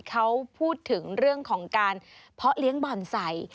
เขาพูดถึงเรื่องของการเพาะเลี้ยงบ่อนใส่